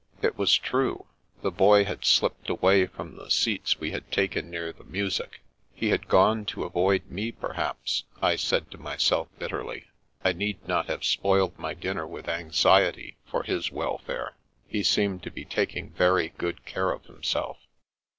It was true. The Boy had slipped away from the seats we had taken near the music. He had gone to avoid me, perhaps, I said to myself bitterly. I need not have spoiled my dinner with anxiety for his welfare; he seemed to be taking very good care of himself.